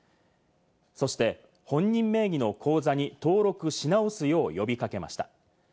そして本人名義の口座に登録し直すよう呼び掛けました。